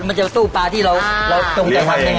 มันจะสู้ปลาที่เราต้องการทำเอง